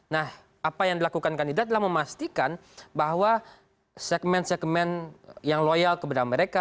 nah apa yang dilakukan kandidat adalah memastikan bahwa segmen segmen yang loyal kepada mereka